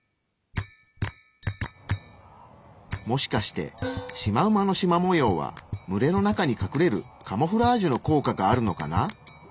もしかしてシマウマのしま模様は群れの中に隠れるカモフラージュの効果があるのかな？